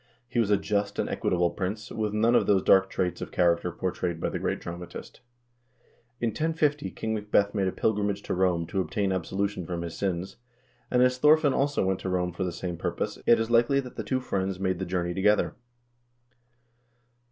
He was a just and equitable prince, with none of those dark traits of character portrayed by the great dramatist. In 1050 King Macbeth made a pilgrimage to Rome to obtain absolution from his sins, and as Thorfinn also went to Rome for the same purpose, it is likely that the two friends made the journey together.